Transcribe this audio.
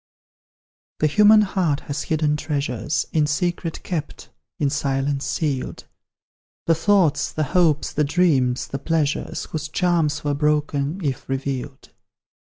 The human heart has hidden treasures, In secret kept, in silence sealed; The thoughts, the hopes, the dreams, the pleasures, Whose charms were broken if revealed.